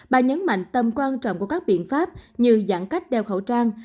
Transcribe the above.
bà nhấn mạnh tầm quan trọng của các biện pháp như giãn cách đeo khẩu trang